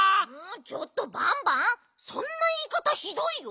ちょっとバンバンそんないいかたひどいよ。